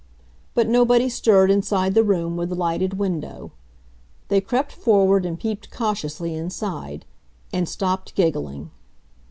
But nobody stirred inside the room with the lighted window. They crept forward and peeped cautiously inside ... and stopped giggling.